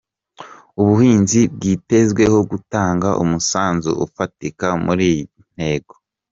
Ubuhinzi bwitezweho gutanga umusanzu ufatika muri iyi ntego.